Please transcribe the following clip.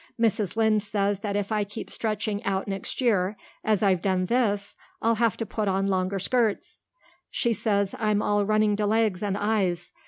Mrs. Lynde says that if I keep stretching out next year as I've done this I'll have to put on longer skirts. She says I'm all running to legs and eyes.